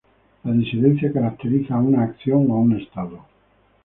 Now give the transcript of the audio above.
La disidencia caracteriza a una acción o a un estado.